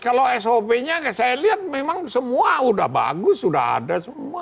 kalau sop nya saya lihat memang semua sudah bagus sudah ada semua